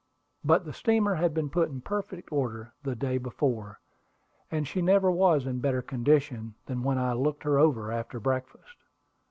But the steamer had been put in perfect order the day before, and she never was in better condition than when I looked her over after breakfast.